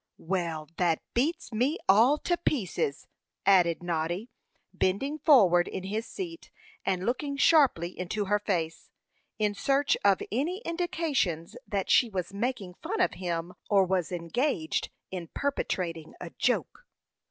"Well, that beats me all to pieces!" added Noddy, bending forward in his seat, and looking sharply into her face, in search of any indications that she was making fun of him, or was engaged in perpetrating a joke.